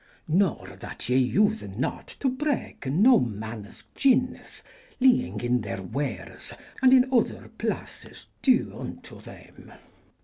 Nor that ye vse not to breke noo mannys gynnys lyenge in theyr weares & in other places dve vuto theym.